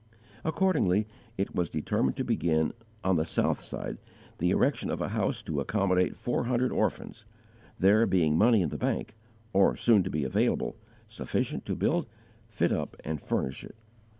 Accordingly it was determined to begin, on the south side, the erection of a house to accommodate four hundred orphans, there being money in the bank, or soon to be available, sufficient to build, fit up, and furnish it.